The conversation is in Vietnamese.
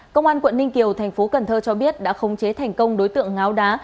công an quận ninh kiều thành phố cần thơ cho biết đã khống chế thành công đối tượng ngáo đá